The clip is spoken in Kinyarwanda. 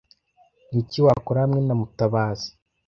Niki wakora hamwe na mutabazi